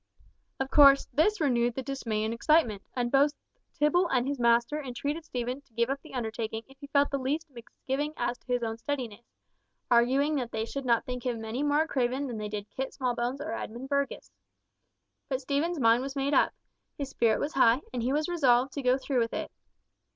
Of course this renewed the dismay and excitement, and both Tibble and his master entreated Stephen to give up the undertaking if he felt the least misgiving as to his own steadiness, arguing that they should not think him any more a craven than they did Kit Smallbones or Edmund Burgess. But Stephen's mind was made up, his spirit was high, and he was resolved to go through with it.